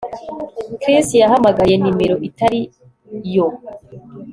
Chris yahamagaye nimero itari yo